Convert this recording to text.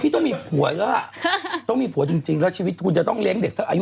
พี่ต้องมีผัวอย่างงี้ต้องมีผัวจริงแล้วชีวิตคุณจะต้องเลี้ยงเด็กสักอายุ๒๕๒๐